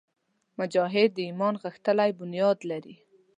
مجاهد د ایمان غښتلی بنیاد لري.